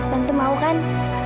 tante mau kan